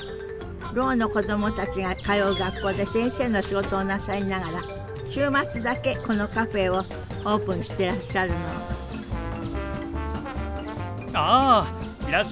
ろうの子供たちが通う学校で先生の仕事をなさりながら週末だけこのカフェをオープンしてらっしゃるのあいらっしゃいませ。